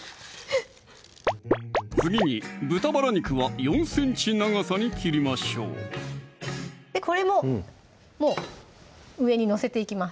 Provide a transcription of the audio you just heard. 次に豚バラ肉は４ｃｍ長さに切りましょうこれももう上に載せていきます